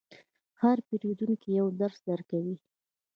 هر پیرودونکی یو درس درکوي.